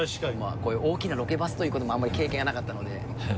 こういう大きなロケバスということもあんまり経験がなかったので。